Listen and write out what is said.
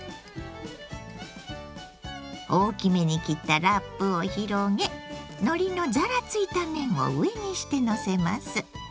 大きめに切ったラップを広げのりのザラついた面を上にしてのせます。